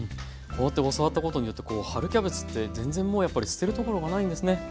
こうやって教わったことによって春キャベツって全然もうやっぱり捨てるところがないんですね。